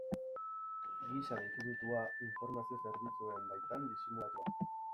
Gisa definitua, informazio zerbitzuen baitan disimulatua.